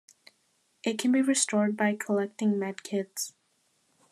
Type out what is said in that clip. It can be restored by collecting med-kits.